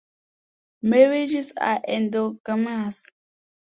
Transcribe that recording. Marriages are endogamous.